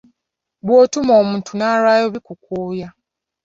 Bw’otuma omuntu n’alwayo bikukooya.